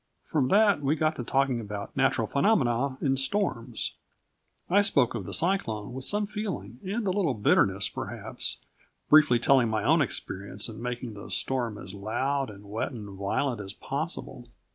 From that we got to talking about natural phenomena and storms. I spoke of the cyclone with some feeling and a little bitterness, perhaps, briefly telling my own experience, and making the storm as loud and wet and violent as possible.